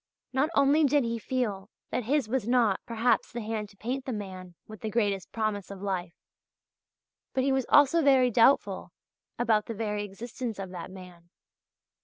Not only did he feel that his was not, perhaps, the hand to paint the man with the greatest promise of life; but he was also very doubtful about the very existence of that man.